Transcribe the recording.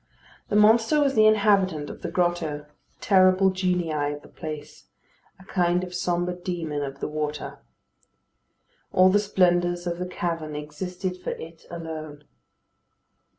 The monster was the inhabitant of the grotto; the terrible genii of the place. A kind of sombre demon of the water. All the splendours of the cavern existed for it alone.